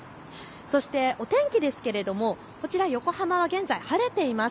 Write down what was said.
そしてお天気ですけれどもこちら横浜は現在、晴れています。